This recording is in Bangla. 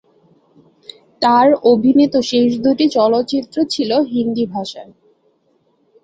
তার অভিনীত শেষ দুইটি চলচ্চিত্র ছিল হিন্দি ভাষার।